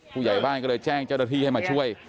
ผู้ใหญ่บ้านก็เลยแจ้งเจ้าหน้าที่ให้มาช่วย